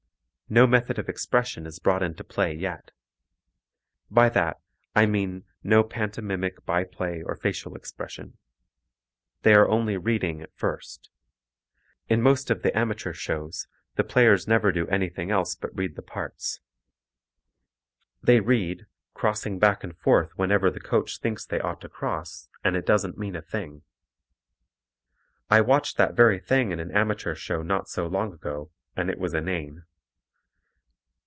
No method of expression is brought into play yet. By that I mean no pantomimic by play or facial expression. They are only reading at first. In most of the amateur shows, the players never do anything else but read the parts. They read, crossing back and forth whenever the coach thinks they ought to cross, and it doesn't mean a thing. I watched that very thing in an amateur show not so long ago, and it was inane.